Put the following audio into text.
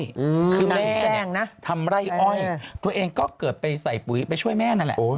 คือแม่เนี่ยทำไร่อ้อยตัวเองก็เกิดไปใส่ปุ๋ยไปช่วยแม่นั่นแหละโอ้ย